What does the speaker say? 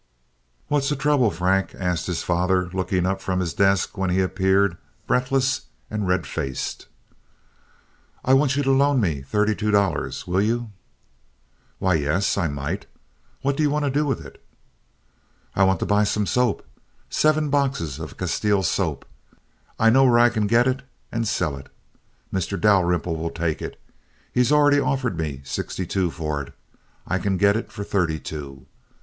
"What's the trouble, Frank?" asked his father, looking up from his desk when he appeared, breathless and red faced. "I want you to loan me thirty two dollars! Will you?" "Why, yes, I might. What do you want to do with it?" "I want to buy some soap—seven boxes of Castile soap. I know where I can get it and sell it. Mr. Dalrymple will take it. He's already offered me sixty two for it. I can get it for thirty two.